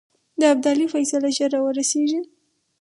د ابدالي فیصله ژر را ورسېږي.